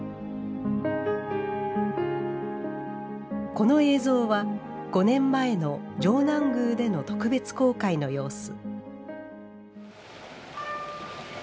この映像は、５年前の城南宮での特別公開の様子。